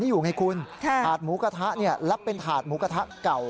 อยู่ไงคุณถาดหมูกระทะเนี่ยรับเป็นถาดหมูกระทะเก่า